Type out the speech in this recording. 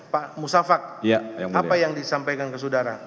pak musafak apa yang disampaikan ke saudara